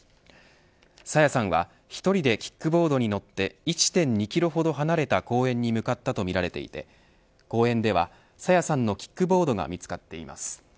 朝芽さんは１人でキックボードに乗って、１．２キロほど離れた公園に向かったとみられていて公園では朝芽さんのキックボードが見つかっています。